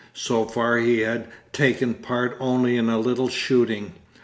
So far he had taken part only in a little shooting.